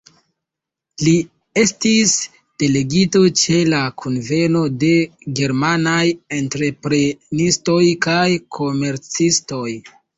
Li estis delegito ĉe la kunveno de germanaj entreprenistoj kaj komercistoj.